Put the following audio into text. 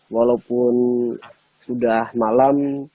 walaupun sudah malam